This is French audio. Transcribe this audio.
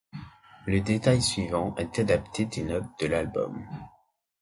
Le détail suivant est adapté des notes de l'album.